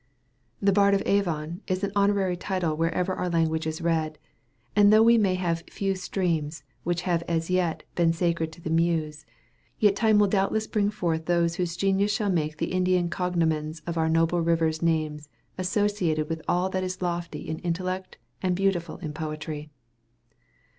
"The Bard of Avon" is an honorary title wherever our language is read; and though we may have few streams which have as yet been sacred to the muse, yet time will doubtless bring forth those whose genius shall make the Indian cognomens of our noble rivers' names associated with all that is lofty in intellect and beautiful in poetry.